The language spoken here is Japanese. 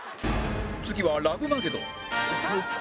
次はラブマゲドン